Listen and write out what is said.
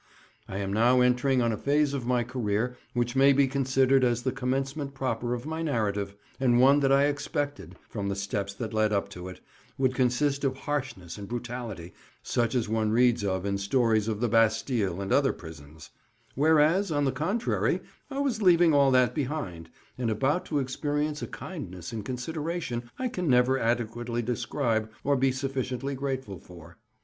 I am now entering on a phase of my career which may be considered as the commencement proper of my narrative, and one that I expected, from the steps that led up to it, would consist of harshness and brutality, such as one reads of in stories of the Bastile and other prisons; whereas, on the contrary, I was leaving all that behind, and about to experience a kindness and consideration I can never adequately describe or be sufficiently grateful for.